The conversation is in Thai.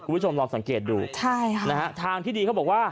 คุณผู้ชมลองสังเกตดูทางที่ดีเขาบอกว่า